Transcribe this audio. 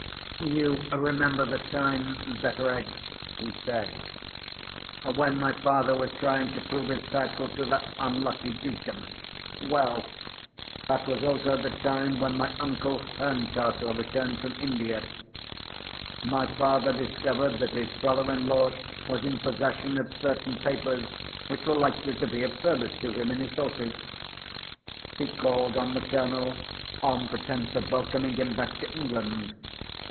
"You remember the time, Betteredge," he said, "when my father was trying to prove his title to that unlucky Dukedom? Well! that was also the time when my uncle Herncastle returned from India. My father discovered that his brother in law was in possession of certain papers which were likely to be of service to him in his lawsuit. He called on the Colonel, on pretence of welcoming him back to England.